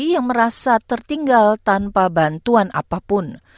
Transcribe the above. yang merasa tertinggal tanpa bantuan apapun